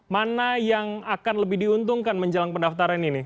mana yang akan lebih diuntungkan menjelang pendaftaran ini